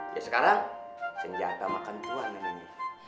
ya sekarang senjata makan buah namanya